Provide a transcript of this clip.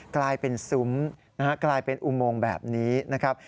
กลายเป็นซุ้มนะฮะกลายเป็นอุโมงแบบนี้นะครับ